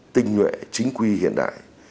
tinh nguyện chính quy hiện đại